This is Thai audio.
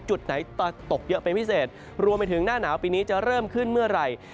จุดไหนตกเยอะเป็นพิเศษรวมไปถึงหน้าหนาวปีนี้จะเริ่มขึ้นเมื่อไหร่